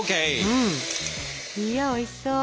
うん。いやおいしそう。